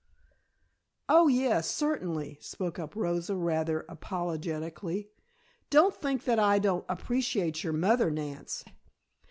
"Oh, yes, certainly," spoke up Rosa rather apologetically. "Don't think that I don't appreciate your mother, Nance.